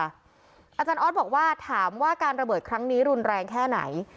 อาจารย์ออสบอกว่าถามว่าการระเบิดครั้งนี้รุนแรงแค่ไหน